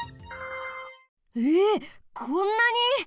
えこんなに？